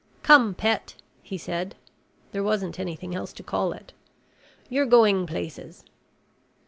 "Come, Pet," he said there wasn't anything else to call it "you're going places."